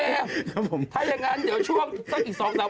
โอเคถ้ายังงั้นเดี๋ยวช่วงสักอีก๒ครั้ง